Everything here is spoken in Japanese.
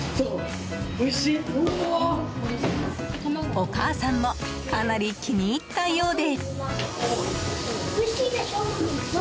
お母さんもかなり気に入ったようで。